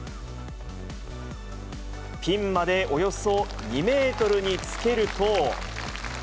ピンまでおよそ２メートルにつけると。